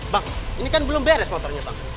bang ini kan belum beres motornya pak